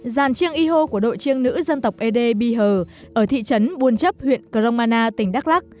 dàn chiêng y hô của đội chiêng nữ dân tộc adb hờ ở thị trấn buôn trấp huyện krong anna tỉnh đắk lắc